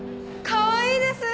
かわいいです！